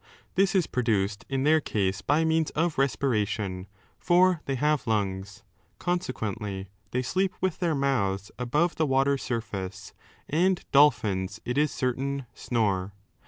2 This is produced in their case by means of respiration, for they have lunga Consequently, they sleep with their mouths above the water's surface, and dolphins, it is certain, snore.